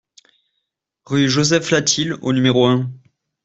Rue Joseph Latil au numéro un